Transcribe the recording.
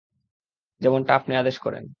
যেমনটা আপনি আদেশ করেন!